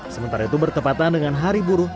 sementara itu bertepatan dengan hari buruh